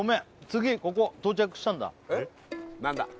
次ここ到着したんだ何だ？